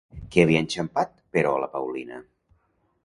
Què havia enxampat, però, la Paulina?